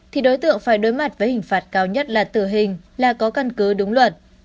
thì đối tượng phải đối mặt với hình phạt cao nhất là tử hình là có căn cứ đúng luật